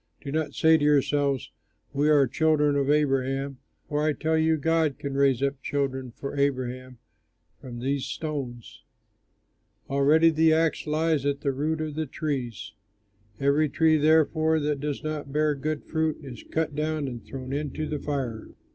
Do not say to yourselves, 'We are children of Abraham'; for I tell you, God can raise up children for Abraham from these stones. Already the axe lies at the root of the trees. Every tree, therefore, that does not bear good fruit is cut down and thrown into the fire."